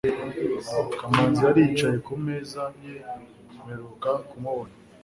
kamanzi yari yicaye ku meza ye mperuka kumubona